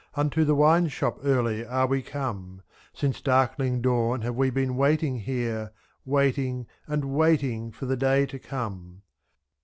Unto the wine shop early are we come, ^''^ Since darkling dawn have we been waiting here. Waiting and waiting for the day to come.